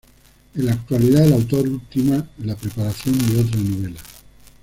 En la actualidad, el autor ultima la preparación de otra novela.